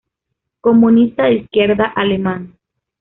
Comunista de izquierda alemán.